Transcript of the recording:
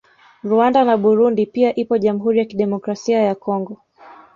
Rwanda na Burundi pia ipo Jamhuri Ya Kidemokrasia ya Congo